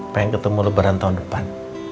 pengen ketemu lebaran tahun depan